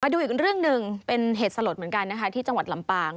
ดูอีกเรื่องหนึ่งเป็นเหตุสลดเหมือนกันนะคะที่จังหวัดลำปาง